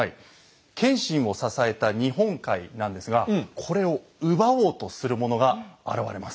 謙信を支えた日本海なんですがこれを奪おうとする者が現れます。